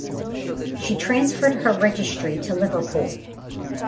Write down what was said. She transferred her registry to Liverpool.